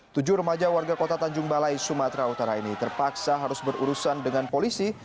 tujuh remaja warga kota tanjung balai sumatera utara ini terpaksa harus berurusan dengan polisi